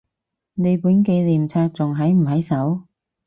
你本紀念冊仲喺唔喺手？